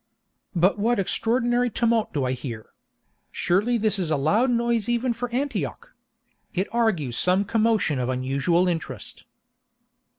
"But what extraordinary tumult do I hear? Surely this is a loud noise even for Antioch! It argues some commotion of unusual interest."